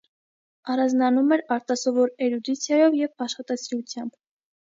Առանձնանում էր արտասովոր էրուդիցիայով և աշխատասիրությամբ։